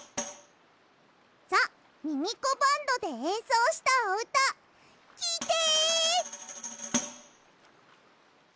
ザ・ミミコバンドでえんそうしたおうたきいて！